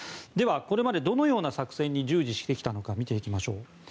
これまで、どのような作戦に従事してきたのか見ていきましょう。